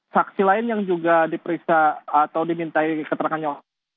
saksi lain yang juga diperiksa atau dimintai keterangannya